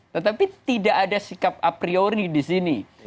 tetapi tidak ada sikap a priori di sini